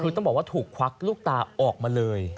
คือต้องบอกว่าถูกควักลูกตาออกมาเลย